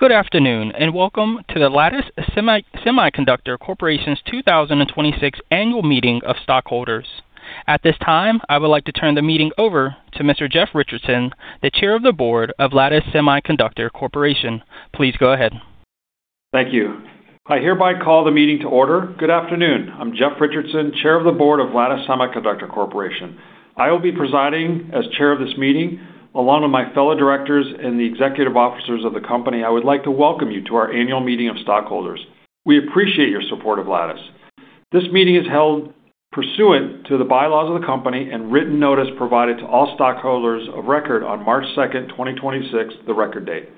Good afternoon, and welcome to the Lattice Semiconductor Corporation's 2026 annual meeting of stockholders. At this time, I would like to turn the meeting over to Mr. Jeff Richardson, the Chair of the Board of Lattice Semiconductor Corporation. Please go ahead. Thank you. I hereby call the meeting to order. Good afternoon. I'm Jeff Richardson, Chair of the Board of Lattice Semiconductor Corporation. I will be presiding as chair of this meeting along with my fellow directors and the executive officers of the company. I would like to welcome you to our annual meeting of stockholders. We appreciate your support of Lattice. This meeting is held pursuant to the bylaws of the company and written notice provided to all stockholders of record on March 2nd, 2026, the record date.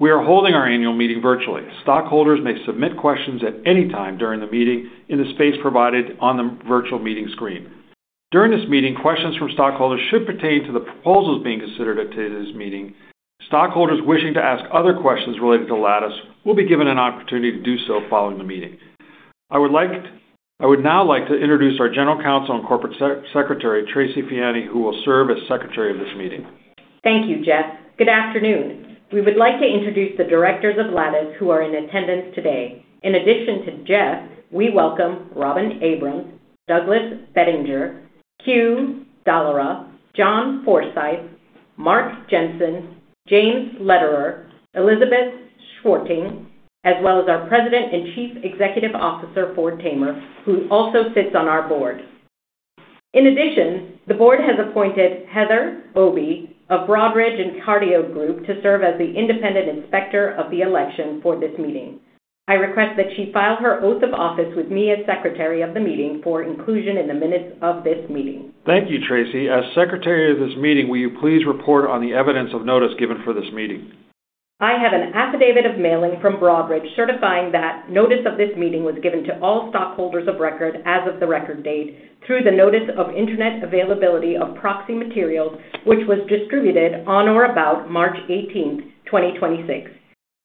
We are holding our annual meeting virtually. Stockholders may submit questions at any time during the meeting in the space provided on the virtual meeting screen. During this meeting, questions from stockholders should pertain to the proposals being considered at today's meeting. Stockholders wishing to ask other questions related to Lattice will be given an opportunity to do so following the meeting. I would now like to introduce our General Counsel and Corporate Secretary, Tracy Feanny, who will serve as secretary of this meeting. Thank you, Jeff. Good afternoon. We would like to introduce the directors of Lattice who are in attendance today. In addition to Jeff, we welcome Robin Abrams, Doug Bettinger, Que Thanh Dallara, John Forsyth, Mark Jensen, James Lederer, Elizabeth Schwarting, as well as our President and Chief Executive Officer, Ford Tamer, who also sits on our board. In addition, the board has appointed Heather Obi of Broadridge and The Carideo Group to serve as the independent inspector of the election for this meeting. I request that she file her oath of office with me as secretary of the meeting for inclusion in the minutes of this meeting. Thank you, Tracy. As secretary of this meeting, will you please report on the evidence of notice given for this meeting? I have an affidavit of mailing from Broadridge certifying that notice of this meeting was given to all stockholders of record as of the record date through the notice of internet availability of proxy materials, which was distributed on or about March 18, 2026.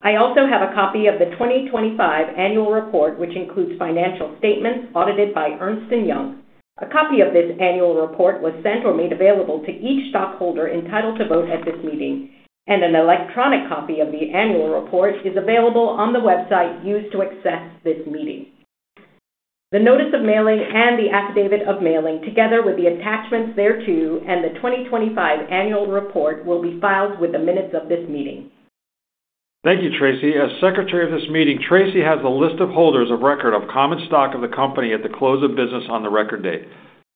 I also have a copy of the 2025 annual report, which includes financial statements audited by Ernst & Young. A copy of this annual report was sent or made available to each stockholder entitled to vote at this meeting, and an electronic copy of the annual report is available on the website used to access this meeting. The notice of mailing and the affidavit of mailing, together with the attachments thereto and the 2025 annual report, will be filed with the minutes of this meeting. Thank you, Tracy. As Secretary of this meeting, Tracy has the list of holders of record of common stock of the company at the close of business on the record date.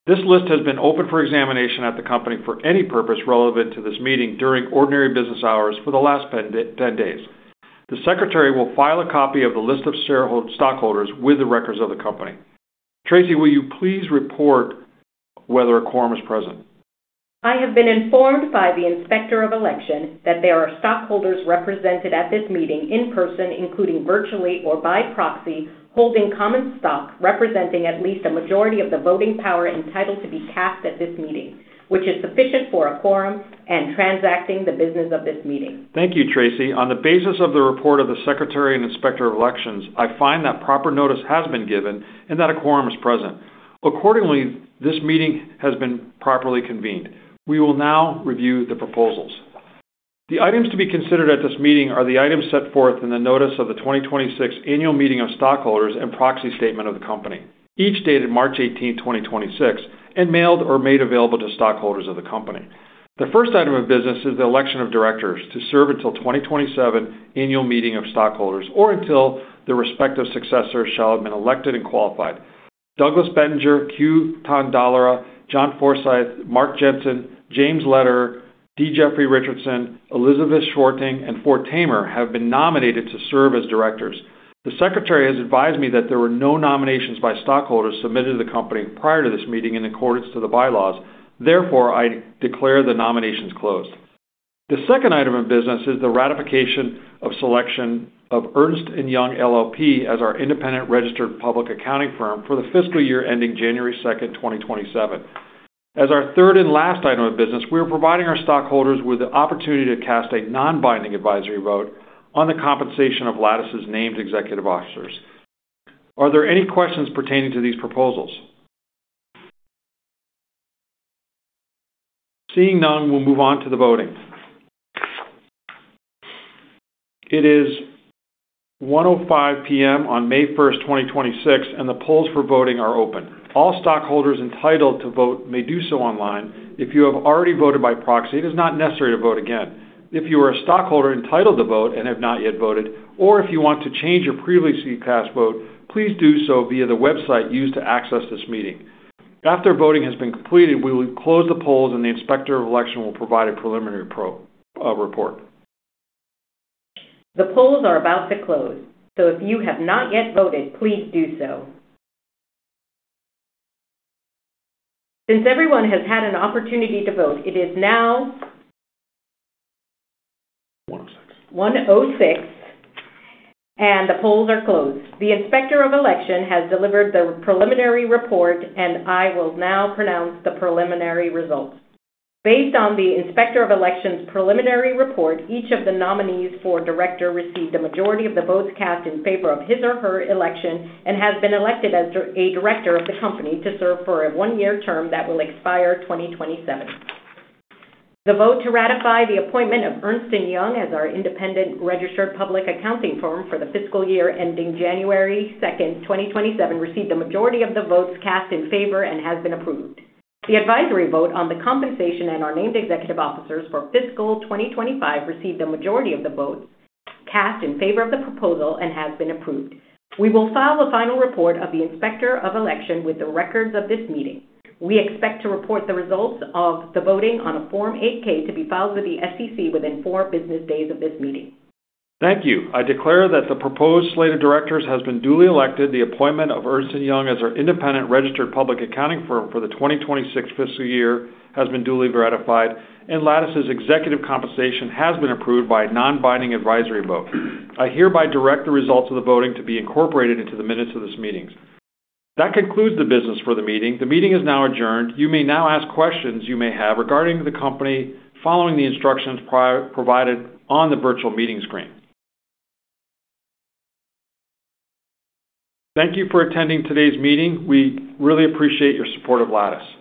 This list has been open for examination at the company for any purpose relevant to this meeting during ordinary business hours for the last 10 days. The Secretary will file a copy of the list of stockholders with the records of the company. Tracy, will you please report whether a quorum is present? I have been informed by the inspector of election that there are stockholders represented at this meeting in person, including virtually or by proxy, holding common stock representing at least a majority of the voting power entitled to be cast at this meeting, which is sufficient for a quorum and transacting the business of this meeting. Thank you, Tracy. On the basis of the report of the Secretary and Inspector of Elections, I find that proper notice has been given and that a quorum is present. Accordingly, this meeting has been properly convened. We will now review the proposals. The items to be considered at this meeting are the items set forth in the notice of the 2026 annual meeting of stockholders and proxy statement of the company, each dated March 18, 2026, and mailed or made available to stockholders of the company. The first item of business is the election of directors to serve until 2027 annual meeting of stockholders or until the respective successors shall have been elected and qualified. Doug Bettinger, Que Thanh Dallara, John Forsyth, Mark Jensen, James Lederer, D. Jeffrey Richardson, Elizabeth Schwarting, and Ford Tamer have been nominated to serve as directors. The secretary has advised me that there were no nominations by stockholders submitted to the company prior to this meeting in accordance to the bylaws. I declare the nominations closed. The second item of business is the ratification of selection of Ernst & Young LLP as our independent registered public accounting firm for the fiscal year ending January 2nd, 2027. As our third and last item of business, we are providing our stockholders with the opportunity to cast a non-binding advisory vote on the compensation of Lattice's named executive officers. Are there any questions pertaining to these proposals? Seeing none, we'll move on to the voting. It is 1:05 P.M. on May 1st, 2026, and the polls for voting are open. All stockholders entitled to vote may do so online. If you have already voted by proxy, it is not necessary to vote again. If you are a stockholder entitled to vote and have not yet voted, or if you want to change your previously cast vote, please do so via the website used to access this meeting. After voting has been completed, we will close the polls and the Inspector of Election will provide a preliminary report. The polls are about to close. If you have not yet voted, please do so. Since everyone has had an opportunity to vote, it is now. 1:06 P.M. 1:06 P.M.. The polls are closed. The Inspector of Election has delivered the preliminary report, and I will now pronounce the preliminary results. Based on the Inspector of Election's preliminary report, each of the nominees for director received a majority of the votes cast in favor of his or her election and has been elected as a director of the company to serve for a one-year term that will expire 2027. The vote to ratify the appointment of Ernst & Young as our independent registered public accounting firm for the fiscal year ending January 2nd, 2027 received a majority of the votes cast in favor and has been approved. The advisory vote on the compensation and our named executive officers for fiscal 2025 received the majority of the votes cast in favor of the proposal and has been approved. We will file the final report of the Inspector of Election with the records of this meeting. We expect to report the results of the voting on a Form 8-K to be filed with the SEC within four business days of this meeting. Thank you. I declare that the proposed slate of directors has been duly elected, the appointment of Ernst & Young as our independent registered public accounting firm for the 2026 fiscal year has been duly ratified, and Lattice's executive compensation has been approved by a non-binding advisory vote. I hereby direct the results of the voting to be incorporated into the minutes of this meeting. That concludes the business for the meeting. The meeting is now adjourned. You may now ask questions you may have regarding the company following the instructions provided on the virtual meeting screen. Thank you for attending today's meeting. We really appreciate your support of Lattice.